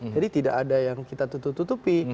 jadi tidak ada yang kita tutup tutupi